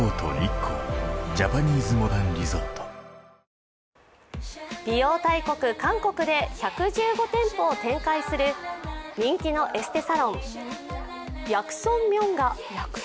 その名も美容大国・韓国で１１５店舗を展開する人気のエステサロン、ヤクソンミョンガ。